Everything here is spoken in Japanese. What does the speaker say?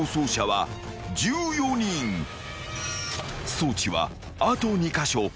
［装置はあと２カ所］